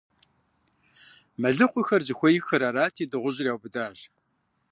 Мэлыхъуэхэр зыхуейххэр арати, дыгъужьыр яубыдащ.